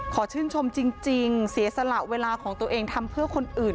ขอชื่นชมจริงเสียสละเวลาของตัวเองทำเพื่อคนอื่น